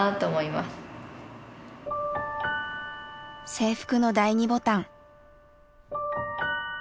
制服の第二ボタン。